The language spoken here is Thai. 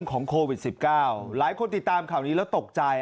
ของโควิด๑๙หลายคนติดตามข่าวนี้แล้วตกใจ